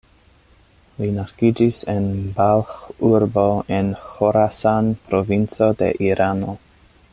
Li naskiĝis en Balĥ-urbo en Ĥorasan-provinco de Irano.